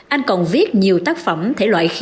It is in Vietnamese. anh còn viết nhiều tác phẩm thể loại khí